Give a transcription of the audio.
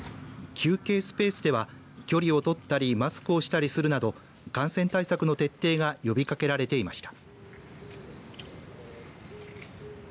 休憩スペースでは距離をとったりマスクをしたりするなど感染対策の徹底が呼びかけられていました。